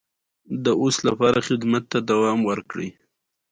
هغه د آرام سپوږمۍ پر مهال د مینې خبرې وکړې.